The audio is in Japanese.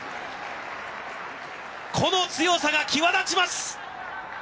この強さが際立ちます！